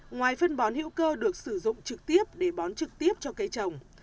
ngoài phân bón hữu cơ được sử dụng trực tiếp để bón trực tiếp cho cây trồng